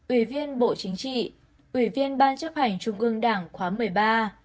ủy viên bộ chính trị ủy viên ban chấp hành trung ương đảng khóa một mươi ba